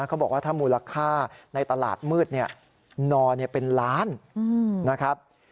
เขาบอกว่าถ้ามูลค่าในตลาดมืดนอเป็นล้านนะครับ